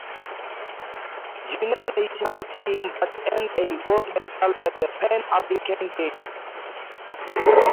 Junior National Team that earned a gold medal at the Pan American Games.